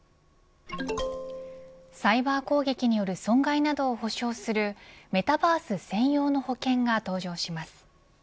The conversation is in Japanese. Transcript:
サイバー攻撃による損害などを保証するメタバース専用の保険が登場します。